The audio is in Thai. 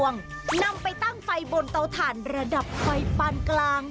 นำไปตั้งไฟบนเตาถ่านระดับไฟปานกลาง